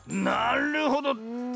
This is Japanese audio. なるほど。